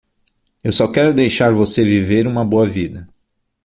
Eu só quero deixar você viver uma boa vida.